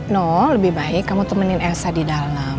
nuh lebih baik kamu temenin elsa didalam